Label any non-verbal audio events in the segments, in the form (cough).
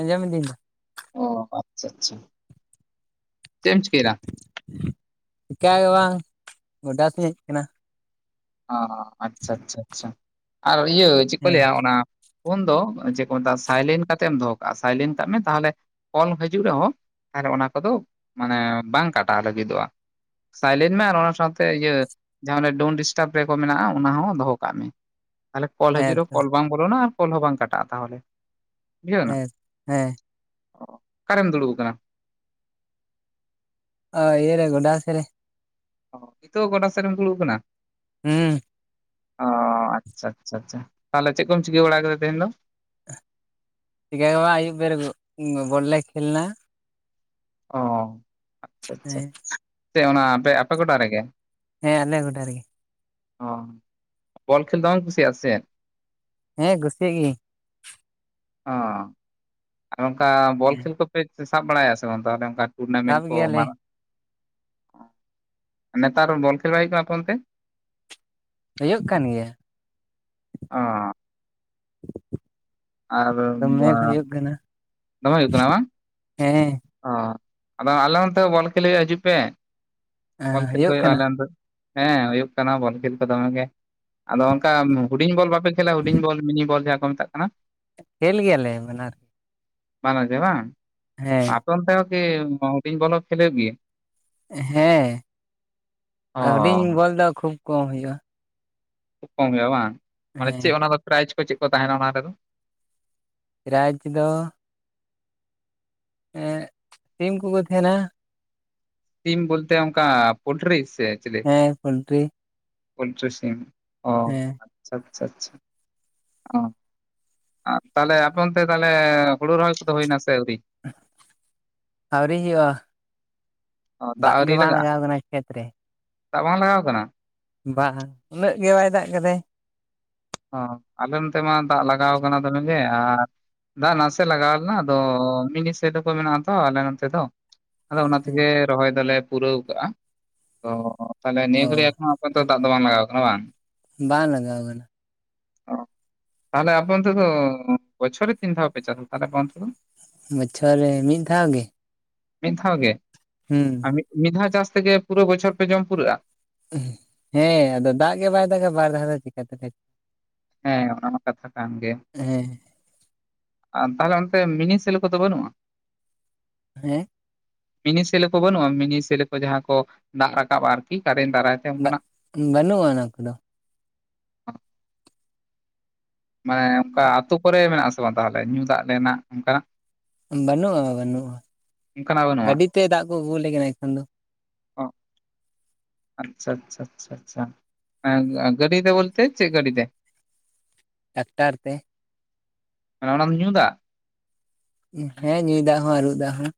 ᱟᱸᱡᱚᱢ ᱮᱫᱟᱹᱧ ᱵᱟ᱾ ᱚ ᱟᱪᱪᱷᱟ ᱟᱪᱪᱷᱟ᱾ ᱪᱮᱫ ᱮᱢ ᱪᱤᱠᱟᱭᱫᱟ? ᱪᱮᱠᱟᱹ ᱜᱮ ᱵᱟᱝ, ᱜᱚᱰᱟ ᱥᱮᱫ ᱤᱧ ᱦᱮᱡ ᱟᱠᱟᱱᱟ᱾ ᱚ ᱟᱪᱪᱷᱟ ᱟᱪᱪᱷᱟ ᱟᱪᱪᱷᱟ, ᱟᱨ ᱤᱭᱟᱹ ᱪᱮᱫ ᱠᱚ ᱦᱮᱡ ᱞᱟᱹᱭᱟ ᱚᱱᱟ ᱯᱷᱚᱱ ᱫᱚ ᱪᱮᱫ ᱠᱚ ᱢᱮᱛᱟᱜᱼᱟ ᱥᱟᱭᱞᱮᱱ ᱠᱟᱛᱮ ᱮᱢ ᱫᱚᱦᱚ ᱠᱟᱜᱼᱟ ᱥᱟᱭᱞᱮᱱ ᱠᱟᱜ ᱢᱮ ᱛᱟᱦᱚᱞᱮ ᱠᱚᱞ ᱦᱤᱡᱩᱜ ᱨᱮᱦᱚᱸ ᱟᱨ ᱚᱱᱟ ᱠᱚᱫᱚ ᱢᱟᱱᱮ ᱵᱟᱝ ᱠᱟᱴᱟᱣ ᱞᱟᱹᱜᱤᱫᱚᱜᱼᱟ᱾ ᱥᱟᱭᱞᱮᱱ ᱢᱮ ᱟᱨ ᱚᱱᱟ ᱥᱟᱶᱛᱮ ᱤᱭᱟᱹ ᱡᱟᱦᱟᱸ ᱚᱱᱮ ᱰᱳᱱ ᱰᱤᱥ ᱴᱟᱵᱽ ᱨᱮ ᱠᱚ ᱢᱮᱱᱟᱜᱼᱟ ᱚᱱᱟ ᱦᱚᱸ ᱫᱚᱦᱚ ᱠᱟᱜ ᱢᱮ, ᱛᱟᱞᱦᱮ ᱠᱚᱞ ᱟᱠᱟᱱᱟ ᱦᱮᱸ ᱦᱤᱡᱩᱜ ᱦᱮᱸ ᱨᱮ ᱛᱚ ᱠᱚᱞ ᱵᱟᱝ ᱵᱚᱞᱚᱱᱟ ᱟᱨ ᱠᱚᱞ ᱦᱚᱸ ᱵᱟᱝ ᱠᱟᱴᱟᱜᱼᱟ ᱛᱟᱦᱚᱞᱮ, ᱵᱩᱡᱷᱟᱹᱣ ᱮᱱᱟ? ᱦᱮᱸ ᱦᱮᱸ ᱚ ᱚᱠᱟᱨᱮᱢ ᱫᱩᱲᱩᱵ ᱟᱠᱟᱱᱟ? ᱚ ᱤᱭᱟᱹ ᱨᱮ ᱜᱚᱰᱟ ᱥᱮᱫ ᱨᱮ᱾ ᱚ ᱦᱤᱛᱳᱜ ᱦᱚᱸ ᱜᱚᱰᱟ ᱥᱮᱫ ᱨᱮᱢ ᱫᱩᱲᱩᱵ ᱟᱠᱟᱱᱟ? ᱦᱩᱸ᱾ ᱚ ᱟᱪᱪᱷᱟ ᱟᱪᱪᱷᱟ ᱟᱪᱪᱷᱟ ᱛᱟᱦᱚᱞᱮ ᱪᱮᱫ ᱠᱚᱢ ᱪᱤᱠᱟᱹ ᱵᱟᱲᱟ ᱠᱟᱫᱟ ᱛᱮᱦᱮᱧ ᱫᱚ? ᱪᱤᱠᱟᱹ ᱜᱮ ᱵᱟᱝ ᱟᱹᱭᱩᱵ ᱵᱮᱲᱟ ᱵᱚᱞ ᱞᱮ ᱠᱷᱮᱞ ᱱᱟ᱾ ᱚ ᱟᱪᱪᱷᱟ ᱟᱪᱪᱷᱟ ᱦᱮᱸ (inaudible) ᱪᱮᱫ ᱚᱱᱟ ᱟᱯᱮ ᱟᱯᱮ ᱜᱚᱰᱟ ᱨᱮᱜᱮ? ᱦᱮᱸ ᱟᱞᱮ ᱜᱚᱰᱟ ᱨᱮᱜᱮ᱾ ᱚ, ᱵᱚᱞ ᱠᱷᱮᱞ ᱫᱚᱢᱮᱢ ᱠᱩᱥᱤᱭᱟᱜ-ᱟ ᱥᱮ ᱪᱮᱫ? ᱦᱮᱸ ᱠᱩᱥᱤᱭᱟᱜ ᱜᱤᱭᱟᱹᱧ᱾ ᱚᱸ ᱟᱨ ᱚᱱᱠᱟ ᱵᱚᱞ ᱦᱮᱸ ᱠᱷᱮᱞ ᱠᱚᱯᱮ ᱥᱟᱵ ᱵᱟᱲᱟᱭᱟ ᱥᱮ ᱵᱟᱝ ᱛᱟᱦᱚᱞᱮ ᱚᱱᱠᱟ? ᱴᱩᱨᱱᱟᱢᱮᱱᱴ ᱥᱟᱵ ᱠᱚ ᱜᱮᱭᱟᱞᱮ ᱮᱢᱟᱱᱟᱜ, ᱱᱮᱛᱟᱨ ᱵᱚᱞ ᱠᱷᱮᱞ ᱵᱟᱭ ᱦᱩᱭᱩᱜ ᱠᱟᱱᱟ ᱟᱯᱮ ᱚᱱᱛᱮ? ᱦᱩᱭᱩᱜ ᱠᱟᱱ ᱜᱮᱭᱟ᱾ ᱚᱸ᱾ ᱟᱨ ᱫᱚᱢᱮ ᱦᱩᱭᱩᱜ ᱠᱟᱱᱟ᱾ ᱫᱚᱢᱮ ᱦᱩᱭᱩᱜ ᱠᱟᱱᱟ ᱵᱟᱝ? ᱦᱮᱸ᱾ ᱚᱸ ᱟᱫᱚ ᱟᱞᱮ ᱚᱱᱛᱮ ᱦᱚᱸ ᱵᱚᱞ ᱠᱷᱮᱞ ᱦᱩᱭᱩᱜᱼᱟ ᱦᱤᱡᱩᱜ ᱯᱮ, ᱵᱚᱞ ᱠᱷᱮᱞ ᱠᱚ ᱦᱩᱭᱩᱜ ᱦᱩᱭᱩᱜᱼᱟ ᱠᱟᱱᱟ ᱟᱞᱮ ᱚᱱᱛᱮ᱾ ᱦᱮᱸ ᱦᱩᱭᱩᱜ ᱠᱟᱱᱟ ᱵᱚᱞ ᱠᱷᱮᱞ ᱠᱚ ᱫᱚᱢᱮ ᱜᱮ ᱟᱫᱚ ᱚᱱᱠᱟ ᱦᱩᱰᱤᱧ ᱵᱚᱞ ᱵᱟ ᱯᱮ ᱠᱷᱮᱞᱟ ᱦᱩᱰᱤᱧ ᱵᱚᱞ ᱢᱤᱱᱤ ᱵᱚᱞ ᱡᱟᱦᱟᱸ ᱠᱚ ᱢᱮᱛᱟᱜ ᱠᱟᱱᱟ? ᱠᱷᱮᱞ ᱜᱮᱭᱟᱞᱮ ᱵᱟᱱᱟᱨ᱾ ᱵᱟᱱᱟᱨ ᱜᱮ ᱵᱟᱝ? ᱦᱮᱸ᱾ ᱟᱯᱮ ᱚᱱᱛᱮ ᱦᱚᱸ ᱠᱤ ᱦᱩᱰᱤᱧ ᱵᱚᱞ ᱦᱚᱸ ᱠᱷᱮᱞ ᱦᱩᱭᱩᱜ ᱜᱤᱭᱟ? ᱦᱮᱸ ᱦᱩᱰᱤᱧ ᱚ ᱵᱚᱞ ᱫᱚ ᱠᱷᱩᱵ ᱠᱚᱢ ᱦᱩᱭᱩᱜᱼᱟ᱾ ᱠᱷᱩᱵ ᱠᱚᱢ ᱦᱩᱭᱩᱜᱼᱟ ᱵᱟᱝ ᱢᱟᱱᱮ ᱦᱮᱸ ᱪᱮᱫ ᱚᱱᱟ ᱫᱚ ᱯᱨᱟᱭᱤᱡᱽ ᱠᱚ ᱪᱮᱫ ᱠᱚ ᱛᱟᱦᱮᱸᱱᱟ ᱚᱱᱟ ᱨᱮᱫᱚ? ᱯᱨᱟᱭᱤᱡ ᱫᱚ ᱮ ᱥᱤᱢ ᱠᱚᱠᱚ ᱛᱟᱦᱮᱸᱱᱟ, ᱥᱤᱢ ᱵᱚᱞᱛᱮ ᱚᱱᱠᱟ ᱯᱳᱞᱴᱨᱤ ᱥᱮ ᱪᱤᱞᱤ? ᱦᱮᱸ ᱯᱳᱞᱴᱨᱤ᱾ ᱯᱳᱞᱴᱨᱤ ᱥᱤᱢ ᱚᱸ ᱦᱮᱸ ᱟᱪᱪᱷᱟ ᱟᱪᱪᱷᱟ ᱟᱪᱪᱷᱟ᱾ ᱚᱸ ᱛᱟᱦᱚᱞᱮ ᱟᱯᱮ ᱚᱱᱛᱮ ᱛᱟᱦᱚᱞᱮ ᱦᱩᱲᱩ ᱨᱚᱦᱚᱭ ᱠᱚᱫᱚ ᱦᱩᱭᱱᱟ ᱥᱮ ᱟᱹᱣᱨᱤ? ᱟᱹᱣᱨᱤ ᱦᱩᱭᱩᱜ-ᱟ᱾ ᱚᱸ ᱫᱟᱜ ᱟᱹᱣᱨᱤ ᱞᱟᱜᱟᱜᱼᱟ ᱠᱟᱱᱟ ᱠᱷᱮᱛ ᱫᱟᱜ ᱵᱟᱝ ᱞᱟᱜᱟᱣ ᱠᱟᱱᱟ? ᱵᱟᱝ-ᱟ ᱩᱱᱟᱹᱜ ᱜᱮ ᱵᱟᱭ ᱫᱟᱜ ᱠᱟᱫᱟᱭ᱾ ᱚᱸ ᱟᱞᱮ ᱱᱚᱱᱛᱮ ᱢᱟ ᱫᱟᱜ ᱞᱟᱜᱟᱣ ᱠᱟᱱᱟ ᱫᱚᱢᱮ ᱜᱮ ᱟᱨ ᱫᱟᱜ ᱱᱟᱥᱮ ᱞᱟᱜᱟᱣ ᱞᱮᱱᱟ ᱟᱫᱚ ᱢᱤᱱᱤ ᱥᱮᱞᱚ ᱠᱚ ᱢᱮᱱᱟᱜ ᱟ ᱛᱚ ᱟᱞᱮ ᱱᱚᱛᱮ ᱫᱚ, ᱟᱫᱚ ᱚᱱᱟ ᱦᱮᱸ ᱛᱮᱜᱮ ᱨᱚᱦᱚᱭ ᱫᱚᱞᱮ ᱯᱩᱨᱟᱹᱣ ᱠᱟᱜᱼᱟ ᱛᱚ ᱛᱟᱦᱞᱮ ᱱᱤᱭᱟᱹ ᱚ ᱜᱷᱟᱹᱲᱤᱡ ᱮᱠᱷᱚᱱ ᱚᱱᱛᱮ ᱫᱟᱜ ᱫᱚ ᱵᱟᱝ ᱞᱟᱜᱟᱣ ᱠᱟᱱᱟ ᱵᱟᱝ? ᱵᱟᱝ ᱞᱟᱜᱟᱣ ᱠᱟᱱᱟ᱾ ᱚᱸ ᱛᱟᱦᱚᱞᱮ ᱟᱯᱮ ᱚᱱᱛᱮ ᱫᱚ ᱵᱚᱪᱷᱚᱨ ᱨᱮ ᱛᱤᱱ ᱫᱷᱟᱣ ᱯᱮ ᱪᱟᱥ ᱛᱟᱦᱚᱞᱮ ᱚᱱᱛᱮ ᱫᱚ? ᱵᱚᱪᱷᱚᱨ ᱨᱮ ᱢᱤᱫ ᱫᱷᱟᱣ ᱜᱮ᱾ ᱢᱤᱫ ᱫᱷᱟᱣ ᱜᱮ? ᱦᱩᱸ᱾ ᱟ ᱢᱤᱫ ᱢᱤᱫ ᱫᱷᱟᱣ ᱪᱟᱥ ᱛᱮᱜᱮ ᱯᱩᱨᱟᱹ ᱵᱚᱪᱷᱚᱨ ᱯᱮ ᱡᱚᱢ ᱯᱩᱨᱟᱹᱜᱼᱟ ᱩᱦ ᱦᱮᱸ ᱟᱫᱚ ᱫᱟᱜ ᱜᱮ ᱵᱟᱭ ᱫᱟᱜᱟ ᱵᱟᱨ ᱫᱷᱟᱣ ᱫᱚ ᱪᱤᱠᱟᱹ ᱛᱮᱞᱮ ᱦᱮᱸ ᱚᱱᱟ ᱢᱟ ᱠᱟᱛᱷᱟ ᱠᱟᱱ ᱜᱮ᱾ ᱦᱮᱸ ᱟᱨ ᱛᱟᱦᱚᱞᱮ ᱚᱱᱛᱮ ᱢᱤᱱᱤ ᱥᱮᱞᱚ ᱠᱚᱫᱚ ᱵᱟᱹᱱᱩᱜᱼᱟ? ᱦᱮᱸ? ᱢᱤᱱᱤ ᱥᱮᱞᱳ ᱠᱚ ᱵᱟᱹᱱᱩᱜᱼᱟ ᱢᱤᱱᱤ ᱥᱮᱞᱳ ᱠᱚ ᱡᱟᱦᱟᱸ ᱠᱚ ᱫᱟᱜ ᱨᱟᱠᱟᱵᱼᱟ ᱟᱨᱠᱤ ᱠᱟᱨᱮᱱᱴ ᱫᱟᱨᱟᱭ ᱛᱮ ᱫᱟᱜ ᱚᱱᱠᱟᱱᱟᱜ ᱵᱟᱹᱱᱩᱜᱼᱟ ᱚᱱᱟ ᱠᱚᱫᱚ᱾ ᱢᱟᱱᱮ ᱚᱱᱠᱟ ᱟᱹᱛᱩ ᱠᱚᱨᱮ ᱢᱮᱱᱟᱜ ᱟᱥᱮ ᱵᱟᱝ ᱛᱟᱦᱚᱞᱮ ᱧᱩ ᱫᱟᱜ ᱨᱮᱱᱟᱜ ᱚᱝ ᱠᱟᱱᱟᱜ? ᱵᱟᱹᱱᱩᱜᱼᱟ ᱵᱟᱹᱱᱩᱜᱼᱟ ᱚᱱᱠᱟᱱᱟᱜ ᱵᱟᱹᱱᱩᱜᱼᱟ? ᱜᱟᱹᱰᱤ ᱛᱮ ᱫᱟᱜ ᱠᱚ ᱟᱹᱜᱩᱣᱟ-ᱞᱮ ᱠᱟᱱᱟ ᱮᱠᱷᱚᱱ ᱫᱚ᱾ ᱚ ᱟᱪᱪᱷᱟ ᱟᱪᱪᱷᱟ ᱟᱪᱪᱷᱟ ᱟᱪᱪᱷᱟ ᱮᱸ ᱜᱟᱹᱰᱤ ᱛᱮ ᱵᱚᱞᱛᱮ ᱪᱮᱫ ᱜᱟᱹᱰᱤᱛᱮ? ᱴᱟᱠᱴᱟᱨ ᱛᱮ᱾ ᱦᱚᱸ ᱚᱱᱟ ᱫᱚ ᱧᱩ ᱫᱟᱜ? ᱦᱮᱸ ᱧᱩᱭ ᱫᱟᱜ ᱦᱚᱸ ᱟᱨᱩᱵ ᱫᱟᱜ ᱦᱚᱸ᱾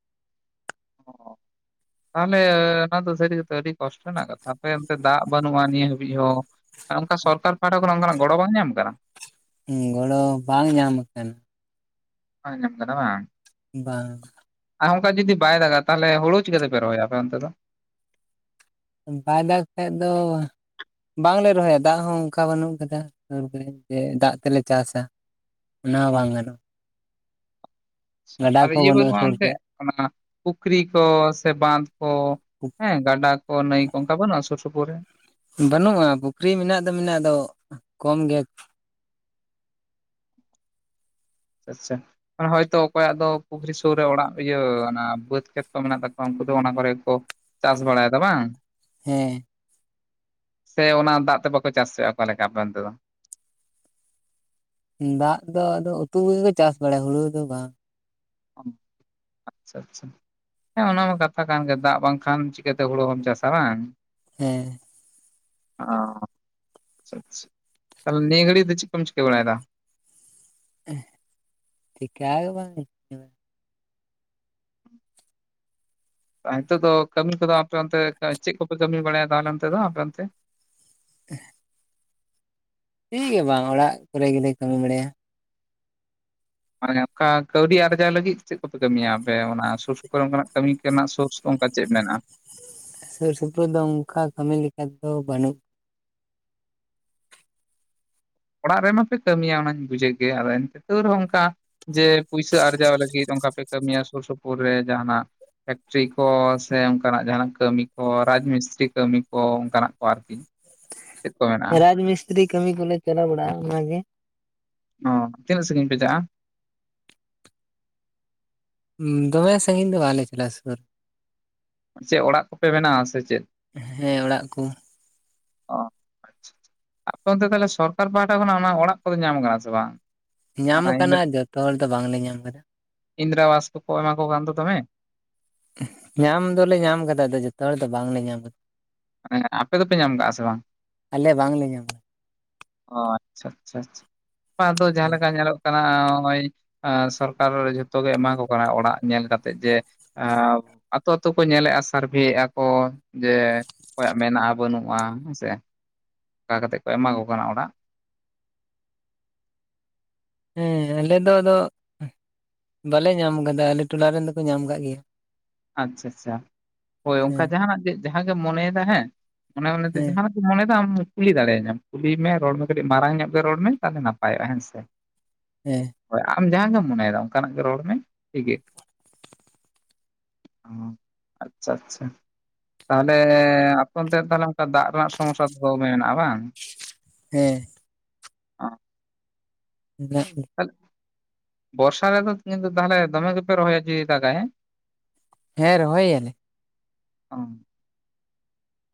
ᱚ᱾ ᱛᱟᱦᱚᱞᱮ ᱚᱱᱟ ᱫᱚ ᱥᱟᱹᱨᱤ ᱠᱟᱛᱮ ᱟᱹᱰᱤ ᱠᱚᱥᱴᱚ ᱨᱮᱱᱟᱜ ᱠᱟᱛᱷᱟ ᱟᱯᱮ ᱮᱱᱛᱮ ᱫᱟᱜ ᱵᱟᱹᱱᱩᱜᱼᱟ ᱱᱤᱭᱟᱹ ᱦᱟᱹᱵᱤᱡ ᱦᱚᱸ, ᱟᱨ ᱚᱱᱠᱟ ᱥᱚᱨᱠᱟᱨ ᱯᱟᱦᱴᱟ ᱠᱷᱚᱱᱟᱜ ᱚᱱᱠᱟᱱᱟᱜ ᱜᱚᱲᱚ ᱵᱟᱝ ᱧᱟᱢ ᱠᱟᱱᱟ, ᱜᱚᱲᱚ ᱵᱟᱝ ᱧᱟᱢ ᱟᱠᱟᱱᱟ᱾ ᱵᱟᱝ ᱧᱟᱢ ᱠᱟᱱᱟ ᱵᱟᱝ ᱵᱟᱝ᱾ ᱟᱨ ᱚᱱᱠᱟ ᱡᱩᱫᱤ ᱵᱟᱭ ᱫᱟᱜᱟ ᱛᱟᱞᱦᱮ ᱦᱳᱲᱳ ᱪᱤᱠᱟᱹᱛᱮᱯᱮ ᱨᱚᱦᱚᱭ ᱟᱯᱮ ᱚᱱᱛᱮ ᱫᱚ? ᱵᱟᱭ ᱫᱟᱜᱽ ᱠᱷᱟᱡ ᱫᱚ ᱵᱟᱝᱞᱮ ᱨᱚᱦᱚᱭᱟ, ᱫᱟᱜ ᱦᱚᱸ ᱚᱝᱠᱟ ᱵᱟᱹᱱᱩᱜ ᱥᱳᱨ ᱠᱚᱨᱮᱡ ᱡᱮ ᱫᱟᱜ ᱛᱮᱞᱮ ᱪᱟᱥᱟ᱾ ᱚᱱᱟ ᱦᱚᱸ ᱵᱟᱝ ᱜᱟᱱᱚᱜ᱾ ᱟᱪᱪᱷᱟ ᱟᱫᱚ ᱠᱚᱦᱚᱸ ᱤᱭᱟᱹ ᱵᱟᱹᱱᱩᱜᱼᱟ ᱥᱩᱨ ᱮᱱᱛᱮ ᱨᱮ ᱚᱱᱟ ᱯᱩᱠᱷᱨᱤ ᱠᱚ ᱥᱮ ᱵᱟᱸᱫᱷ ᱠᱚ᱾ ᱦᱮᱸ ᱜᱟᱰᱟ ᱠᱚ ᱱᱟᱭ ᱠᱚ ᱚᱱᱠᱟ ᱵᱟᱹᱱᱩᱜᱼᱟ ᱥᱩᱨ ᱥᱩᱯᱩᱨ ᱨᱮ? ᱵᱟᱹᱱᱩᱜᱼᱟ᱾ ᱯᱩᱠᱷᱨᱤ ᱢᱮᱱᱟᱜ ᱫᱚ ᱢᱮᱱᱟᱜ ᱫᱚ ᱠᱚᱢ ᱜᱮ ᱟᱪ ᱟᱪᱪᱷᱟ ᱦᱚᱭᱛᱚ ᱚᱠᱚᱭᱟᱜ ᱫᱚ ᱯᱩᱠᱷᱨᱤ ᱥᱩᱨ ᱨᱮ ᱚᱲᱟᱜ, ᱤᱭᱟᱹ ᱵᱟᱹᱫᱽ ᱠᱷᱮᱛ ᱠᱚ ᱢᱮᱱᱟᱜ ᱛᱟᱠᱚᱣᱟ ᱩᱱᱠᱩ ᱫᱚ ᱚᱱᱟ ᱠᱚᱨᱮ ᱠᱚ ᱪᱟᱥ ᱵᱟᱲᱟᱭ ᱫᱟ ᱵᱟᱝ? ᱦᱮᱸ᱾ ᱥᱮ ᱚᱱᱟ ᱫᱟᱜ ᱛᱮ ᱵᱟᱠᱚ ᱪᱟᱥ ᱦᱚᱪᱚ ᱣᱟᱜ ᱼᱟ ᱚᱠᱟ ᱞᱮᱠᱟ ᱟᱯᱮ ᱚᱱ ᱛᱮ ᱫᱚ? ᱫᱟᱜ ᱫᱚ ᱟᱫᱚ ᱩᱛᱩ ᱠᱚᱜᱮ ᱠᱚ ᱪᱟᱥ ᱵᱟᱲᱟᱭᱟ ᱦᱩᱲᱩ ᱫᱚ ᱵᱟᱝ᱾ ᱟᱪᱪᱷᱟ ᱟᱪᱪᱷᱟ᱾ ᱦᱮᱸ ᱚᱱᱟ ᱢᱟ ᱠᱟᱛᱷᱟ ᱠᱟᱱ ᱜᱮ, ᱫᱟᱜ ᱵᱟᱝᱠᱷᱟᱱ ᱪᱤᱠᱟᱹᱛᱮ ᱦᱩᱲᱩ ᱦᱚᱢ ᱪᱟᱥᱟ ᱵᱟᱝ᱾ ᱦᱮᱸ ᱚ ᱟᱪᱪᱷᱟ ᱪᱷ ᱛᱟᱦᱞᱮ ᱱᱤᱭᱟᱹ ᱜᱟᱹᱲᱤ ᱫᱚ ᱪᱮᱜ ᱠᱚᱢ ᱪᱤᱠᱟᱹ ᱵᱟᱲᱟᱭᱮᱫᱟ? ᱴᱷᱤᱠᱟᱹ ᱜᱮ ᱵᱟᱝ? ᱱᱤᱛᱚᱜ ᱫᱚ ᱠᱟᱹᱢᱤ ᱠᱚᱫᱚ, ᱟᱯᱮ ᱚᱱᱛᱮ ᱪᱮᱫ ᱠᱚᱯᱮ ᱠᱟᱹᱢᱤ ᱵᱟᱲᱟᱭᱟ ᱛᱟᱦᱚᱞᱮ ᱚᱱᱛᱮ ᱫᱚ ᱟᱯᱮ ᱚᱱᱛᱮ? (inaudible) (inaudible) ᱪᱤᱜ ᱜᱮ ᱵᱟᱝ ᱚᱲᱟᱜ ᱠᱚᱨᱮ ᱜᱮᱞᱮ ᱠᱟᱹᱢᱤ ᱵᱟᱲᱟᱭᱟ᱾ ᱢᱟᱱᱮ ᱠᱟ ᱠᱟᱹᱣᱰᱤ ᱟᱨᱡᱟᱣ ᱞᱟᱹᱜᱤᱫ, ᱪᱮᱫ ᱠᱚᱯᱮ ᱠᱟᱹᱢᱤᱭᱟ ᱟᱯᱮ ᱚᱱᱟ ᱥᱩᱨ ᱥᱩᱯᱩᱨ ᱚᱱᱠᱟᱱᱟᱜ ᱠᱟᱹᱢᱤ? ᱥᱳᱨᱥ ᱠᱚ ᱚᱱᱠᱟ ᱪᱮᱫ ᱢᱮᱱᱟᱜᱼᱟ? ᱥᱩᱨ ᱥᱩᱯᱩᱨ ᱫᱚ ᱚᱝᱠᱟ ᱠᱟᱹᱢᱤ ᱞᱮᱠᱟ ᱫᱚ ᱵᱟᱹᱱᱩᱜ ᱚᱲᱟᱜ ᱨᱮ ᱢᱟᱯᱮ ᱠᱟᱹᱢᱤᱭᱟ ᱚᱱᱟᱧ ᱵᱩᱡᱷᱟᱹᱣ ᱜᱮᱭᱟ, ᱟᱫᱚ ᱛᱟᱣ ᱨᱮᱦᱚᱸ ᱚᱝᱠᱟ, ᱡᱮ ᱯᱩᱭᱥᱟᱹ ᱟᱨᱡᱟᱣ ᱞᱟᱹᱜᱤᱫ ᱚᱱᱠᱟ ᱯᱮ ᱠᱟᱹᱢᱤᱭᱟ ᱥᱩᱨ ᱥᱩᱯᱩᱨ ᱨᱮ ᱡᱟᱦᱱᱟᱜ? ᱯᱷᱮᱠᱴᱨᱤ ᱠᱚ ᱥᱮ ᱚᱱᱠᱟᱱᱟᱜ ᱡᱟᱦᱱᱟᱜ, ᱠᱟᱹᱢᱤ ᱠᱚ, ᱨᱟᱡᱽ ᱢᱤᱥᱛᱨᱤ ᱠᱟᱹᱢᱤ ᱠᱚ ᱚᱱᱠᱟᱱᱟᱜ ᱠᱚ ᱟᱨᱠᱤ ᱪᱮᱫ ᱠᱚ ᱢᱮᱱᱟᱜᱼᱟ? ᱨᱟᱡᱽ ᱢᱤᱥᱛᱨᱤ ᱠᱟᱹᱢᱤ ᱠᱚᱞᱮ ᱪᱟᱞᱟᱣ ᱵᱟᱲᱟᱜᱼᱟ ᱚᱱᱟᱜᱮ᱾ ᱚ ᱛᱤᱱᱟᱹᱜ ᱥᱟᱺᱜᱤᱧ ᱯᱮ ᱪᱟᱜᱼᱟ? ᱩᱸ ᱫᱚᱢᱮ ᱥᱟᱺᱜᱤᱧ ᱫᱚ ᱵᱟᱞᱮ ᱪᱟᱞᱟᱜᱼᱟ ᱥᱳᱨ᱾ ᱪᱮᱫ ᱚᱲᱟᱜ ᱠᱚᱯᱮ ᱵᱮᱱᱟᱣ ᱥᱮ ᱪᱮᱫ? ᱦᱮᱸ ᱚᱲᱟᱜ ᱠᱩ᱾ ᱚ ᱟᱪᱪᱷᱟ ᱟᱯᱮ ᱚᱱᱛᱮ ᱛᱟᱞᱦᱮ ᱥᱚᱨᱠᱟᱨ ᱯᱟᱦᱴᱟ ᱠᱷᱚᱱᱟᱜ, ᱚᱱᱟ ᱚᱲᱟᱜ ᱠᱚᱫᱚ ᱧᱟᱢ ᱠᱟᱱᱟ ᱥᱮ ᱵᱟᱝ? ᱧᱟᱢ ᱚᱱᱟ ᱤᱱᱫᱨᱟ ᱟᱠᱟᱱᱟ ᱡᱚᱛᱚ ᱦᱚᱲ ᱫᱚ ᱵᱟᱝᱞᱮ ᱧᱟᱢ ᱟᱠᱟᱫᱟᱺ ᱤᱱᱫᱨᱟᱵᱟᱥ ᱠᱚᱠᱚ ᱮᱢᱟᱢᱟ ᱠᱚ ᱠᱟᱱ ᱫᱚ ᱫᱚᱢᱮ᱾ ᱧᱟᱢ ᱫᱚᱞᱮ ᱧᱟᱢ ᱠᱟᱫᱟ ᱟᱫᱚ ᱡᱚᱛᱚ ᱦᱚᱲ ᱫᱚ ᱵᱟᱝᱞᱮ ᱧᱟᱢ ᱠᱟᱫᱟ᱾ ᱟᱯᱮ ᱫᱚᱯᱮ ᱧᱟᱢ ᱠᱟᱜᱼᱟ ᱥᱮ ᱵᱟᱝ? ᱟᱞᱮ ᱵᱟᱝᱞᱮ ᱧᱟᱢ ᱟᱠᱟᱫᱟ ᱚ ᱟᱪᱪᱷᱟ ᱟᱪᱪᱷᱟ ᱟᱪᱷᱟ ᱵᱟ ᱟᱫᱚ ᱡᱟᱦᱟᱸ ᱞᱮᱠᱟ ᱧᱮᱞᱚᱜ ᱠᱟᱱᱟ ᱦᱚᱜᱼᱚᱭ ᱥᱚᱨᱠᱟᱨ ᱡᱷᱚᱛᱚᱜ ᱜᱮ, ᱮᱢᱟ ᱠᱚ ᱠᱟᱱᱟ, ᱚᱲᱟᱜ ᱧᱮᱞ ᱠᱟᱛᱮᱜ ᱡᱮ ᱟᱛᱳ ᱟᱛᱳ ᱠᱚ ᱧᱮᱞᱮᱫᱼᱟ ᱥᱟᱨᱵᱷᱮᱫᱼᱟ ᱠᱚ ᱡᱮ ᱚᱠᱚᱭᱟᱜ ᱢᱮᱱᱟᱜᱼᱟ ᱵᱟᱹᱱᱩᱜᱼᱟ ᱦᱮᱸ ᱥᱮ, ᱚᱱᱠᱟ ᱠᱟᱛᱮᱫ ᱠᱚ ᱮᱢᱟ ᱠᱚ ᱠᱟᱱᱟ ᱚᱲᱟᱜ, ᱦᱮᱸ ᱟᱞᱮ ᱫᱚ ᱟᱫᱚ, ᱵᱟᱞᱮ ᱧᱟᱢ ᱟᱠᱟᱫᱟ ᱟᱞᱮ ᱴᱚᱞᱟ ᱨᱮᱱ ᱫᱚᱠᱚ ᱧᱟᱢ ᱟᱠᱟᱜ ᱜᱮᱭᱟ ᱟᱪᱪᱷᱟ ᱟᱪᱪᱷᱟ ᱦᱳᱭ ᱚᱱᱠᱟ ᱦᱮᱸ ᱡᱟᱦᱟᱱᱟᱜ ᱜᱮ ᱡᱟᱦᱟᱸ ᱜᱮᱢ ᱢᱚᱱᱮᱭᱮᱫᱟ ᱦᱮᱸ ᱢᱚᱱᱮ ᱢᱚᱱᱮᱛᱮ ᱦᱮᱸ ᱡᱟᱦᱟᱸᱱᱟᱜ ᱢᱚᱱᱮᱫᱟ ᱟᱢ ᱠᱩᱞᱤ ᱫᱟᱲᱮᱭᱟᱧᱟ ᱠᱩᱞᱤ ᱢᱮ ᱨᱚᱲ ᱢᱮ ᱠᱟᱹᱴᱤᱡ ᱢᱟᱨᱟᱝ ᱧᱚᱜ ᱜᱮ ᱨᱚᱲ ᱢᱮ ᱛᱟᱦᱚᱞᱮ ᱱᱟᱯᱟᱭᱚᱜᱼᱟ ᱦᱮᱸᱥᱮ (inaudible) ᱦᱮᱸ ᱦᱳᱭ ᱟᱢ ᱡᱟᱦᱟᱸ ᱜᱮᱢ ᱢᱚᱱᱮᱭᱮᱫᱟ ᱚᱱᱠᱟᱱᱟᱜ ᱜᱮ ᱨᱚᱲ ᱢᱮ ᱴᱷᱤᱠᱜᱮᱭᱟ ᱚ ᱟᱪᱪᱷᱟ ᱟᱪᱪᱷᱟ ᱛᱟᱦᱚᱞᱮ ᱟᱯᱮ ᱚᱱᱛᱮ ᱛᱟᱦᱚᱞᱮ ᱫᱟᱜ ᱨᱮᱱᱟᱜ ᱥᱚᱢᱚᱥᱥᱟ ᱫᱚᱢᱮ ᱢᱮᱱᱟᱜᱼᱟ ᱵᱟᱝ? ᱦᱮᱸ (unintelligible) ᱛᱟᱦᱞᱮ ᱵᱚᱨᱥᱟ ᱨᱮ ᱫᱚ ᱠᱤᱱᱛᱩ ᱛᱟᱦᱚᱞᱮ ᱫᱚᱢᱮ ᱜᱮᱯᱮ ᱨᱚᱦᱚᱭᱟ ᱡᱩᱫᱤ ᱫᱟᱜᱟᱭ ᱦᱮᱸ ᱦᱮᱸ ᱨᱚᱦᱚᱭ ᱭᱟᱞᱮ ᱚ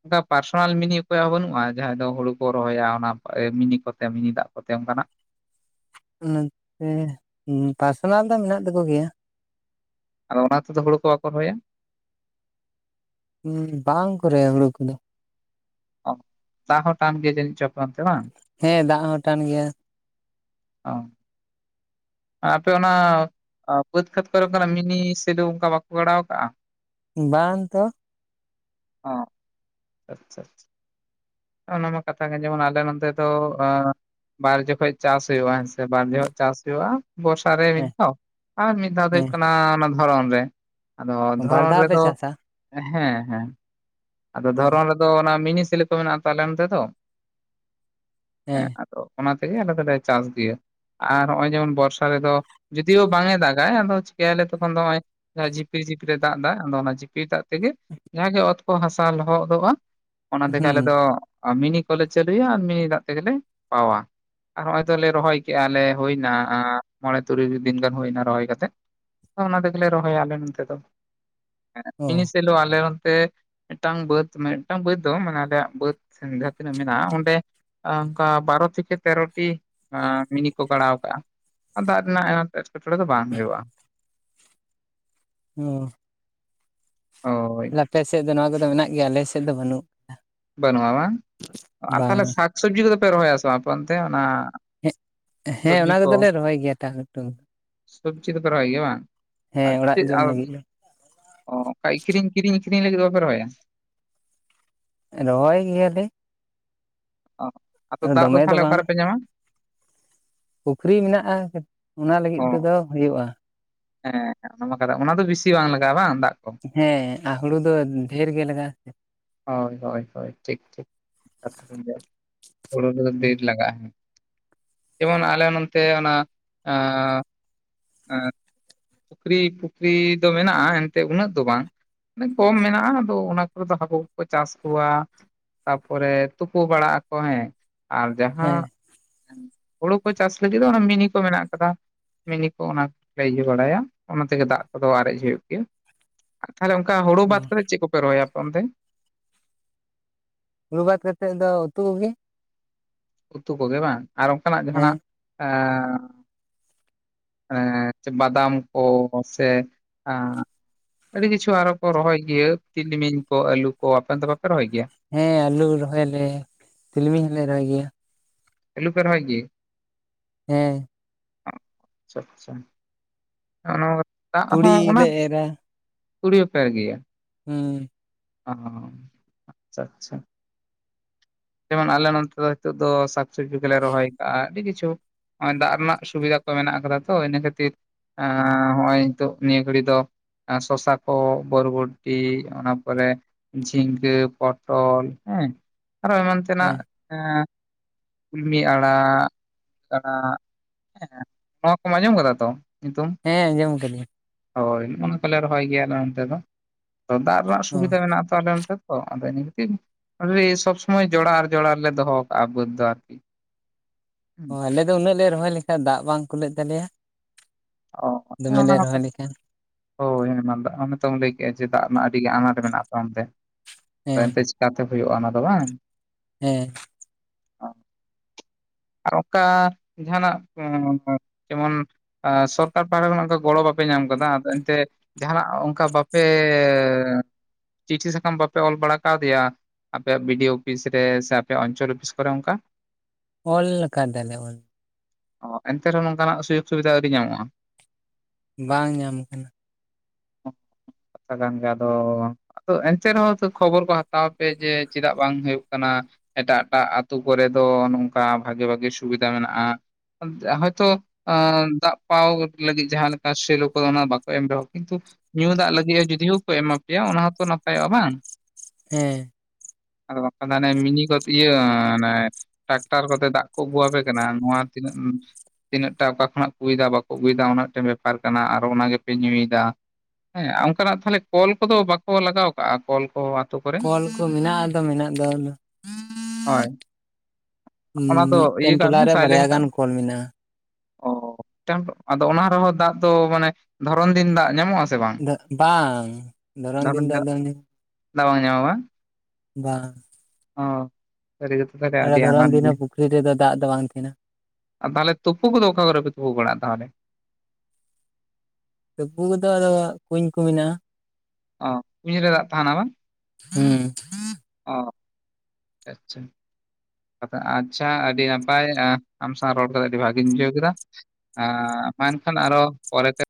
ᱚᱱᱠᱟ ᱯᱟᱨᱥᱚᱱᱟᱞ ᱢᱤᱱᱤ ᱚᱠᱚᱭᱟᱜ ᱦᱚᱸ ᱵᱟᱹᱱᱩᱜᱼᱟ ᱡᱟᱦᱟᱸᱭ ᱫᱚ ᱦᱩᱲᱩ ᱠᱚ ᱨᱚᱦᱚᱭᱟ ᱚᱱᱟ ᱢᱤᱱᱤ ᱠᱚᱛᱮ ᱢᱤᱱᱤ ᱫᱟᱜ ᱠᱚᱛᱮ ᱚᱱᱠᱟᱱᱟᱜ? ᱚᱱᱟᱛᱮ ᱯᱟᱨᱥᱚᱱᱟᱞ ᱫᱚ ᱢᱮᱱᱟᱜ ᱛᱟᱠᱚ ᱜᱮᱭᱟ ᱟᱨᱚ ᱚᱱᱟ ᱛᱮᱫᱚ ᱦᱩᱲᱩ ᱠᱚ ᱵᱟᱠᱚ ᱨᱚᱦᱚᱭᱟ? ᱦᱩ ᱵᱟᱝ ᱠᱚ ᱨᱚᱦᱚᱭᱟ ᱦᱩᱲᱩ ᱠᱚᱫᱚ ᱚᱦ ᱫᱟᱜ ᱦᱚᱸ ᱴᱟᱱ ᱜᱮᱭᱟ ᱡᱟᱱᱤᱪ ᱪᱚ ᱟᱯᱮ ᱚᱱᱛᱮ ᱵᱟᱝ ᱦᱮᱸ ᱫᱟᱜ ᱦᱚᱸ ᱴᱟᱱ ᱜᱮᱭᱟ ᱚ ᱟᱯᱮ ᱚᱱᱟ ᱵᱟᱹᱫᱽ ᱠᱷᱮᱛ ᱠᱚᱨᱮ ᱚᱱᱠᱟᱱᱟᱜ ᱢᱤᱱᱤ ᱥᱮᱞᱩ ᱚᱱᱠᱟᱱᱟᱜ ᱵᱟᱠᱚ ᱜᱟᱲᱟᱣ ᱟᱠᱟᱜᱼᱟ ᱵᱟᱝ ᱛᱚ ᱚ ᱟᱪᱪᱷᱟ ᱟᱪᱪᱷᱟ ᱚᱱᱟᱢᱟ ᱠᱟᱛᱷᱟ ᱜᱮ ᱡᱮᱢᱚᱱ ᱟᱞᱮ ᱱᱚᱛᱮ ᱫᱚ ᱮ ᱵᱟᱨ ᱡᱚᱠᱷᱚᱡ ᱪᱟᱥ ᱦᱩᱭᱩᱜᱼᱟ ᱦᱮᱸᱥᱮ ᱵᱟᱨ ᱡᱚᱠᱷᱚᱱ ᱪᱟᱥ ᱦᱩᱭᱩᱜᱼᱟ ᱵᱚᱨᱥᱟ ᱨᱮ ᱢᱤᱫ ᱦᱮᱸ ᱫᱷᱟᱣ ᱟᱨ ᱢᱤᱫ ᱫᱷᱟᱣ ᱫᱚ ᱦᱩᱭᱩᱜ ᱦᱮᱸ ᱠᱟᱱᱟ ᱚᱱᱟ ᱫᱷᱚᱨᱚᱱ ᱨᱮ ᱟᱫᱚ ᱵᱟᱨ ᱫᱷᱚᱨᱚᱱ ᱫᱷᱟᱣ ᱯᱮ ᱨᱮᱫᱚ ᱪᱟᱥᱟ ᱦᱮᱸ ᱦᱮᱸ ᱟᱫᱚ ᱫᱷᱚᱨᱚᱱ ᱨᱮᱫᱚ ᱚᱱᱟ ᱢᱤᱱᱤ ᱥᱮᱞᱳ ᱠᱚ ᱢᱮᱱᱟᱜ ᱟᱛᱚ ᱟᱞᱮ ᱚᱱᱛᱮ ᱫᱚ ᱦᱮᱸ ᱚᱱᱟ ᱛᱮᱜᱮ ᱟᱞᱮ ᱫᱚᱞᱮ ᱪᱟᱥ ᱤᱫᱤᱭᱟ ᱟᱨ ᱱᱚᱜ ᱚᱭ ᱡᱮᱢᱚᱱ ᱵᱚᱨᱥᱟ ᱨᱮᱫᱚ ᱡᱩᱫᱤᱭᱳ ᱵᱟᱝ ᱮ ᱫᱟᱜᱟ ᱟᱫᱚ ᱪᱤᱠᱟᱹᱭᱟᱞᱮ ᱛᱚᱠᱷᱚᱱ ᱫᱚ ᱱᱚᱜ ᱚᱭ ᱡᱟᱦᱟᱸ ᱡᱷᱤᱯᱤᱨ ᱡᱷᱤᱯᱤᱨ ᱫᱟᱜ ᱫᱟ ᱟᱫᱚ ᱚᱱᱟ ᱡᱤᱯᱤᱨ ᱫᱟᱜ ᱛᱮᱜᱮ ᱡᱟᱦᱟᱸ ᱜᱮ ᱚᱛ ᱠᱚ ᱦᱟᱥᱟ ᱞᱚᱦᱚᱫᱚᱜᱼᱟ ᱚᱱᱟ ᱛᱮᱜᱮ ᱟᱞᱮ ᱦᱩᱸ ᱫᱚ ᱟᱨ ᱢᱤᱱᱤ ᱠᱚᱞᱮ ᱪᱟᱹᱞᱩᱭᱟ ᱟᱨ ᱢᱤᱱᱤ ᱫᱟᱜ ᱛᱮᱜᱮᱞᱮ ᱯᱟᱣᱟ ᱟᱨ ᱦᱚᱸᱜ ᱚᱭ ᱛᱚᱞᱮ ᱨᱚᱦᱚᱭ ᱠᱮᱜ ᱟᱞᱮ ᱦᱩᱭᱱᱟ ᱢᱚᱬᱮ ᱛᱩᱨᱩᱭ ᱫᱤᱱ ᱜᱟᱱ ᱦᱩᱭᱱᱟ ᱨᱚᱦᱚᱭ ᱠᱟᱛᱮᱜ ᱚᱱᱟ ᱛᱮᱜᱮᱞᱮ ᱨᱚᱦᱚᱭᱟ ᱟᱞᱮ ᱱᱚᱱᱛᱮ ᱫᱚ ᱚ ᱢᱤᱱᱤ ᱥᱮᱞᱳ ᱟᱞᱮ ᱱᱚᱱᱛᱮ ᱢᱤᱫᱴᱟᱝ ᱵᱟᱹᱫᱽ ᱢᱟᱱᱮ ᱢᱤᱫᱴᱟᱝ ᱵᱟᱹᱫᱽ ᱫᱚ ᱢᱟᱱᱮ ᱟᱞᱮᱭᱟᱜ ᱵᱟᱹᱫ ᱡᱟᱦᱟᱸ ᱛᱤᱱᱟᱹᱜ ᱢᱮᱱᱟᱜᱼᱟ ᱚᱸᱰᱮ ᱚᱱᱠᱟ ᱵᱟᱨᱚ ᱛᱷᱮᱠᱮ ᱛᱮᱨᱚᱴᱤ ᱢᱤᱱᱤ ᱠᱚ ᱜᱟᱲᱟᱣ ᱠᱟᱜᱼᱟ ᱫᱟᱜ ᱨᱮᱱᱟᱜ ᱟᱱᱟᱴ ᱮᱴᱠᱮᱴᱚᱬᱮ ᱫᱚ ᱵᱟᱝ ᱦᱩᱭᱩᱜᱼᱟ ᱚ ᱦᱚᱭ ᱟᱯᱮ ᱥᱮᱫ ᱫᱚ ᱱᱚᱣᱟ ᱠᱚᱫᱚ ᱢᱮᱱᱟᱜ ᱜᱮᱭᱟ ᱟᱞᱮ ᱥᱮᱫ ᱫᱚ ᱵᱟᱹᱱᱩᱜ ᱠᱟᱫᱟ ᱵᱟᱹᱱᱩᱜᱼᱟ ᱵᱟᱝ, ᱛᱟᱦᱚᱞᱮ ᱥᱟᱠᱥᱚᱵᱽᱡᱤ ᱠᱚᱫᱚ ᱯᱮ ᱨᱚᱦᱚᱭᱟ ᱥᱮ ᱵᱟᱝ ᱟᱯᱮᱚᱱᱛᱮ ᱚᱱᱟ? ᱦᱮᱸ ᱦᱮᱸ ᱚᱱᱟ ᱠᱚᱫᱚᱞᱮ ᱨᱚᱦᱚᱭ ᱜᱮᱭᱟ (inaudible) ᱥᱚᱵᱪᱤ ᱠᱚᱯᱮ ᱨᱚᱦᱚᱭ ᱜᱮᱭᱟ ᱵᱟᱝ ᱦᱮᱸ ᱟᱨ ᱚᱲᱟᱜ ᱪᱮᱫ ᱡᱚᱢ ᱞᱟᱹᱜᱤᱫ ᱫᱚ ᱚᱻᱚᱱᱠᱟ ᱟᱹᱠᱷᱨᱤᱧ ᱠᱤᱨᱤᱧ ᱟᱹᱠᱷᱨᱤᱧ ᱞᱟᱹᱜᱤᱫ ᱵᱟᱯᱮ ᱨᱚᱦᱚᱭᱟ? ᱨᱚᱦᱚᱭ ᱜᱮᱭᱟᱞᱮ᱾ ᱚ ᱟᱫᱚ ᱫᱟᱜ ᱫᱚ ᱫᱚᱢᱮ ᱛᱟᱦᱚᱞᱮ ᱵᱟᱝ ᱚᱠᱟ ᱨᱮᱯᱮ ᱧᱟᱢᱟ? ᱯᱩᱠᱷᱨᱤ ᱢᱮᱱᱟᱜ-ᱟ ᱚᱱᱟ ᱚ ᱞᱟᱹᱜᱤᱫ ᱛᱮᱫᱚ ᱦᱩᱭᱩᱜ-ᱟ᱾ ᱦᱮᱸ ᱚᱱᱟ ᱠᱚᱨᱮ ᱚᱱᱟ ᱫᱚ ᱵᱤᱥᱤ ᱵᱟᱝ ᱞᱟᱜᱟᱜ-ᱟ ᱵᱟᱝ ᱫᱟᱜ ᱠᱚ? ᱦᱮᱸ ᱟᱨ ᱦᱩᱲᱩ ᱫᱚ ᱰᱷᱮᱨ ᱜᱮ ᱞᱟᱜᱟᱜ ᱟᱥᱮ᱾ ᱦᱳᱭ ᱦᱳᱭ ᱦᱳᱭ ᱴᱷᱤᱠ ᱴᱷᱤᱠ ᱠᱟᱛᱷᱟ ᱠᱟᱱ ᱜᱮᱭᱟ ᱦᱩᱲᱩ ᱠᱚᱫᱚ ᱦᱩᱸ ᱫᱮᱨ ᱞᱟᱜᱟᱜ-ᱟ ᱾ ᱡᱮᱢᱚᱱ ᱟᱞᱮ ᱱᱚᱱᱛᱮ ᱚᱱᱟ ᱟᱸ ᱯᱩᱠᱷᱨᱤ ᱯᱩᱠᱷᱨᱤ ᱫᱚ ᱢᱮᱱᱟᱜ-ᱟ ᱮᱱᱛᱮᱫ ᱩᱱᱟᱹᱜ ᱫᱚ ᱵᱟᱝ᱾ ᱠᱚᱢ ᱢᱮᱱᱟᱜ-ᱟ ᱟᱫᱚ ᱚᱱᱟ ᱠᱚᱨᱮ ᱫᱚ ᱦᱟᱹᱠᱩ ᱠᱚᱠᱚ ᱪᱟᱥ ᱠᱚᱣᱟ᱾ ᱛᱟᱯᱚᱨᱮ ᱛᱩᱯᱩ ᱵᱟᱲᱟᱜ ᱟᱠᱚ ᱦᱮᱸ᱾ ᱟᱨ ᱦᱮᱸ ᱡᱟᱦᱟᱸ ᱦᱩᱲᱩ ᱠᱚ ᱪᱟᱥ ᱞᱟᱹᱜᱤᱫ ᱫᱚ ᱚᱱᱟ ᱢᱤᱱᱤ ᱠᱚ ᱢᱮᱱᱟᱜ ᱟᱠᱟᱫᱟ ᱢᱤᱱᱤ ᱾ ᱠᱚ ᱚᱱᱟ ᱠᱚᱞᱮ ᱤᱭᱟᱹ ᱵᱟᱲᱟᱭᱟ ᱚᱱᱟ ᱛᱮᱜᱮ ᱫᱟᱜ ᱠᱚᱫᱚ ᱟᱨᱮᱡ ᱦᱩᱭᱩᱜ ᱜᱮᱭᱟ᱾ ᱟᱨ ᱛᱟᱦᱚᱞᱮ ᱚᱱᱠᱟ ᱦᱩᱲᱩ ᱵᱟᱫ ᱠᱟᱛᱮᱫ ᱪᱮᱫ ᱠᱚᱯᱮ ᱨᱚᱦᱚᱭᱟ ᱟᱯᱮ ᱚᱱᱛᱮ? ᱦᱩᱰᱩ ᱵᱟᱫ ᱠᱟᱛᱮᱫ ᱫᱚ ᱩᱛᱩ ᱜᱮ᱾ ᱩᱛᱩ ᱠᱚᱜᱮ ᱵᱟᱝ ᱟᱨ ᱚᱱᱠᱟᱱᱟᱜ ᱦᱮᱸ ᱡᱟᱦᱟᱱᱟᱜ ᱮ ᱮᱸᱻ ᱵᱟᱫᱟᱢ ᱠᱚ ᱥᱮ ᱟᱹᱰᱤ ᱠᱤᱪᱷᱩ ᱟᱨᱦᱚᱸ ᱠᱚ ᱨᱚᱦᱚᱭ ᱜᱤᱭᱟ ᱛᱤᱞᱢᱤᱧ ᱠᱚ ᱟᱹᱞᱩ ᱠᱚ ᱟᱯᱮ ᱱᱚᱛᱮ ᱫᱚ ᱵᱟᱯᱮ ᱨᱚᱦᱚᱭ ᱜᱮᱭᱟ? ᱦᱮᱸ ᱟᱹᱞᱩ ᱨᱚᱦᱚᱭ ᱟᱞᱮ ᱛᱤᱞᱢᱤᱧ ᱦᱚᱞᱮ ᱨᱚᱦᱚᱭ ᱜᱮᱭᱟ᱾ ᱟᱹᱞᱩ ᱯᱮ ᱨᱚᱦᱚᱭ ᱜᱮ ᱦᱮᱸ ᱾ ᱟᱪᱪᱷᱟ ᱟᱪᱪᱷᱟ (unintelligible) ᱫᱟᱜ ᱛᱩᱲᱤ ᱦᱚᱸ ᱚᱱᱟ ᱞᱮ ᱮᱨᱟ ᱛᱩᱲᱤ ᱦᱚᱯᱮ ᱮᱨ ᱜᱮᱭᱟ ᱦᱮᱸ ᱾ ᱚ ᱟᱪᱪᱷᱟ ᱟᱪᱪᱷᱟ ᱾ ᱡᱮᱢᱚᱱ ᱟᱞᱮ ᱱᱚᱛᱮ ᱫᱚ ᱱᱤᱛᱚᱜ ᱫᱚ ᱥᱟᱠ ᱥᱚᱵᱽᱡᱤ ᱠᱚᱞᱮ ᱨᱚᱦᱚᱭ ᱟᱠᱟᱜ-ᱟ ᱟᱹᱰᱤ ᱠᱤᱪᱷᱩ᱾ ᱱᱚᱜ ᱫᱟᱜ ᱨᱮᱱᱟᱜ ᱥᱩᱵᱤᱫᱷᱟ ᱠᱚ ᱢᱮᱱᱟᱜ ᱟᱠᱟᱫᱟ ᱛᱚ ᱤᱱᱟᱹ ᱠᱷᱟᱹᱛᱤᱨ᱾ ᱦᱚᱜ-ᱚᱭ ᱱᱤᱛᱚᱜ ᱱᱤᱭᱟᱹ ᱜᱷᱟᱹᱲᱤ ᱫᱚ ᱥᱚᱥᱟ ᱠᱚ ᱵᱚᱨᱵᱚᱴᱤ ᱚᱱᱟ ᱯᱚᱨᱮ ᱡᱷᱤᱸᱜᱟᱹ ᱯᱚᱴᱚᱞ ᱦᱮᱸ ᱟᱨᱚ ᱮᱢᱟᱱ ᱛᱮᱱᱟᱜ ᱦᱮᱸ ᱮ ᱠᱩᱞᱢᱤ ᱟᱲᱟᱜ ᱟᱲᱟᱜ ᱦᱮᱸ ᱱᱚᱣᱟ ᱠᱚᱢ ᱟᱸᱡᱚᱢ ᱠᱟᱫᱟ ᱛᱚ ᱧᱩᱛᱩᱢ? ᱦᱮᱸ ᱟᱸᱡᱚᱢ ᱠᱟᱫᱤᱧ ᱾ ᱦᱳᱭ ᱱᱚᱜ ᱱᱚᱣᱟ ᱠᱚᱞᱮ ᱨᱚᱦᱚᱭ ᱜᱮᱭᱟ ᱟᱞᱮ ᱚᱱᱛᱮ ᱫᱚ ᱫᱟᱜ ᱨᱮᱱᱟᱜ ᱚ ᱥᱩᱵᱤᱫᱟ ᱢᱮᱱᱟᱜ ᱛᱚ᱾ ᱛᱟᱞᱮᱢ ᱥᱮᱛᱚ ᱟᱫᱚ ᱤᱱᱟᱹ ᱠᱷᱟᱛᱤᱨ ᱚᱱᱟᱜᱮ ᱥᱚᱵᱽ ᱥᱚᱢᱚᱭ ᱡᱚᱲᱟᱣ ᱟᱨ ᱡᱚᱲᱟᱣ ᱞᱮ ᱫᱚᱦᱚ ᱠᱟᱜ-ᱟ ᱵᱟᱹᱫ ᱫᱚ᱾ ᱟᱨ ᱚ ᱟᱞᱮ ᱫᱚ ᱩᱱᱟᱹᱜ ᱞᱮ ᱨᱚᱦᱚᱭ ᱞᱮᱠᱷᱟᱡ ᱫᱟᱜ ᱵᱟᱝ ᱠᱩᱞᱟᱹᱜ ᱛᱟᱞᱮᱭᱟ ᱾ ᱚ ᱦᱮᱸ ᱫᱚᱢᱮ ᱚᱱᱟ ᱞᱮ ᱢᱟ ᱨᱚᱦᱚᱭ ᱠᱟᱛᱷᱟ ᱞᱮᱠᱷᱟᱱ ᱾ ᱦᱳᱭ ᱦᱮᱢᱟᱞ ᱫᱟᱜ ᱚᱱᱮᱛᱚᱢ ᱞᱟᱹᱭ ᱠᱮᱫ-ᱟ ᱡᱮ ᱫᱟᱜ ᱨᱮᱱᱟᱜ ᱟᱹᱰᱤ ᱟᱱᱟᱴ ᱢᱮᱱᱟᱜ ᱛᱟᱢ ᱚᱱᱛᱮ᱾ ᱦᱮᱸ ᱮᱱᱛᱮ (inaudible) ᱦᱩᱭᱩᱜ-ᱟ ᱚᱱᱟ ᱫᱚ ᱵᱟᱝ ᱦᱮᱸ ᱾ ᱟᱨ ᱚᱠᱟ ᱡᱟᱦᱟᱱᱟᱜ (inaudible) ᱡᱮᱢᱚᱱ ᱟ ᱥᱚᱨᱠᱟᱨ ᱯᱟᱦᱴᱟ ᱠᱷᱚᱱ ᱚᱱᱠᱟ ᱜᱚᱲᱚ ᱵᱟᱯᱮ ᱧᱟᱢ ᱠᱟᱫᱟ ᱟᱫᱚ ᱮᱱᱛᱮ ᱡᱟᱦᱟᱱᱟᱜ ᱚᱱᱠᱟ ᱵᱟᱯᱮ ᱪᱤᱴᱷᱤ ᱥᱟᱠᱟᱢ ᱵᱟᱯᱮ ᱚᱞ ᱵᱟᱲᱟ ᱠᱟᱣᱫᱮᱭᱟ? ᱟᱯᱮᱭᱟᱜ ᱵᱤ ᱰᱤ ᱳ ᱚᱯᱷᱤᱥ ᱨᱮ ᱥᱮ ᱟᱯᱮᱭᱟᱜ ᱚᱧᱪᱚᱞ ᱚᱯᱷᱤᱥ ᱠᱚᱨᱮ ᱚᱱᱠᱟ ᱾ ᱚᱞ ᱞᱮᱠᱟᱛᱮ (unintelligible) ᱚ ᱮᱱᱛᱮ ᱨᱮᱦᱚᱸ ᱱᱚᱝᱠᱟᱱᱟᱜ ᱥᱩᱡᱳᱜᱽ ᱥᱩᱵᱤᱫᱷᱟ ᱟᱹᱣᱨᱤ ᱧᱟᱢᱚᱜ-ᱟ᱾ ᱵᱟᱝ ᱧᱟᱢ ᱠᱟᱱᱟ᱾ ᱠᱟᱛᱷᱟ ᱠᱟᱱ ᱜᱮ ᱟᱫᱚ ᱟᱫᱚ ᱮᱱᱛᱮ ᱨᱮᱦᱚᱸ ᱛᱚ ᱠᱷᱚᱵᱚᱨ ᱠᱚ ᱦᱟᱛᱟᱣ ᱯᱮ ᱡᱮ ᱪᱮᱫᱟᱜ ᱵᱟᱝ ᱦᱩᱭᱩᱜ ᱠᱟᱱᱟ ᱮᱴᱟᱜ ᱮᱴᱟᱜ ᱟᱹᱛᱩ ᱠᱚᱨᱮ ᱫᱚ ᱱᱚᱝᱠᱟ ᱵᱷᱟᱜᱤ ᱵᱷᱟᱜᱤ ᱥᱩᱵᱤᱫᱷᱟ ᱢᱮᱱᱟᱜ-ᱟ ᱟᱫ ᱦᱚᱭᱛᱳ ᱟ ᱫᱟᱜ ᱯᱟᱣ ᱞᱟᱹᱜᱤᱫ ᱡᱟᱦᱟᱸ ᱞᱮᱠᱟ ᱥᱮᱞᱳ ᱠᱚᱫᱚ ᱚᱱᱟ ᱵᱟᱠᱚ ᱮᱢ ᱨᱮᱦᱚᱸ ᱠᱤᱱᱛᱩ ᱧᱩ ᱫᱟᱜ ᱞᱟᱹᱜᱤᱜ ᱮ ᱡᱩᱫᱤᱭᱳ ᱠᱚ ᱮᱢᱟ ᱯᱮᱭᱟ ᱚᱱᱟ ᱦᱚᱸᱛᱚ ᱱᱟᱯᱟᱭᱚᱜ-ᱟ ᱵᱟᱝ᱾ ᱦᱮᱸ᱾ ᱟᱫᱚ (unintelligible) ᱢᱤᱱᱤ ᱠᱚ ᱛᱭᱟᱹ ᱚᱱᱮ ᱴᱟᱠᱴᱟᱨ ᱠᱚᱛᱮ ᱫᱟᱜ ᱠᱚ ᱟᱹᱜᱩᱣᱟᱯᱮ ᱠᱟᱱᱟ ᱱᱚᱣᱟ ᱛᱤᱱᱟᱹᱜ ᱛᱤᱱᱟᱹᱜ ᱴᱟ ᱚᱠᱟ ᱠᱷᱚᱱᱟᱜ ᱠᱚ ᱜᱩ ᱭᱮᱫᱟ ᱵᱟᱠᱚ ᱟᱹᱜᱩᱭᱮᱫᱟ ᱚᱱᱟ ᱢᱤᱴᱤᱡ ᱵᱮᱯᱟᱨ ᱠᱟᱱᱟ ᱟᱨ ᱚᱱᱟ ᱜᱮᱯᱮ ᱧᱩᱭᱮᱫᱟ᱾ ᱦᱮᱸ ᱚᱱᱠᱟᱱᱟᱜ ᱛᱟᱦᱚᱞᱮ ᱠᱚᱞ ᱠᱚᱫᱚ ᱵᱟᱠᱚ ᱞᱟᱜᱟᱣ ᱠᱟᱜ-ᱟ ᱠᱚᱞ ᱠᱚ ᱟᱛᱳ ᱠᱚᱨᱮ? ᱠᱚᱞ ᱠᱚ ᱢᱮᱱᱟᱜ ᱟᱫᱚ ᱢᱮᱱᱟᱜ ᱫᱚ᱾ ᱦᱚᱭ᱾ ᱢᱤᱜᱴᱮᱱ ᱴᱚᱞᱟ ᱨᱮ ᱵᱟᱨᱭᱟ ᱜᱟᱱ ᱠᱚᱞ ᱢᱮᱱᱟᱜᱼᱟ᱾ ᱚ ᱢᱤᱜᱴᱟᱱ ᱟᱫᱚ ᱚᱱᱟ ᱨᱮᱦᱚᱸ ᱫᱟᱜ ᱫᱚ ᱢᱟᱱᱮ ᱫᱷᱚᱨᱚᱱ ᱫᱤᱱ ᱫᱟᱜ ᱧᱟᱢᱚᱜ ᱟ ᱟᱫᱚ ᱵᱟᱝ ᱫᱷᱚᱨᱚᱱ ᱫᱤᱱ ᱫᱚ ᱟᱫᱚ ᱱᱤᱛ ᱫᱟᱜ ᱵᱟᱝ ᱧᱟᱢᱚᱜ-ᱟ ᱵᱟᱝ? ᱵᱟᱝ᱾ ᱚ (unintelligible) ᱟᱞᱮ ᱫᱷᱚᱨᱚᱱ ᱟᱱᱟᱴ ᱫᱤᱱ ᱜᱮᱭᱟ ᱦᱚᱸ ᱯᱩᱠᱷᱨᱤ ᱨᱮᱫᱚ ᱫᱟᱜ ᱫᱚ ᱵᱟᱝ ᱛᱟᱦᱮᱱᱟ᱾ ᱟ ᱛᱟᱞᱦᱮ ᱛᱩᱯᱩ ᱠᱚᱫᱚ ᱚᱠᱟ ᱠᱚᱨᱮᱯᱮ ᱛᱩᱯᱩ ᱵᱟᱲᱟᱜᱼᱟ ᱛᱟᱦᱚᱞᱮ? ᱛᱵᱩ ᱠᱚᱫᱚ ᱟᱫᱚ ᱠᱩᱧ ᱠᱚ ᱢᱮᱱᱟᱜᱼᱟ᱾ ᱚ ᱠᱩᱧ ᱨᱮ ᱫᱟᱜ ᱛᱟᱦᱮᱱᱟ ᱵᱟᱝ? ᱦᱩᱸ᱾ ᱚ ᱟᱪᱪᱷᱟ᱾ ᱟ ᱟᱪᱪᱷᱟ ᱟᱹᱰᱤ ᱱᱟᱯᱟᱭ ᱟ ᱟᱢ ᱥᱟᱶ ᱨᱚᱲ ᱠᱟᱛᱮᱜ ᱟᱹᱰᱤ ᱵᱷᱟᱜᱤᱧ ᱵᱩᱡᱷᱟᱹᱣ ᱠᱮᱫᱟ᱾ ᱦᱮᱸ ᱢᱟ ᱮᱱᱠᱷᱟᱱ ᱟᱨᱚ ᱯᱚᱨᱮᱛᱮ᱾